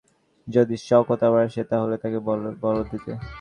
যদি শওকত আবার আসে, তাহলে তাকে বল দিবে।